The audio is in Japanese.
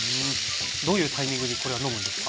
どういうタイミングにこれは飲むんですか？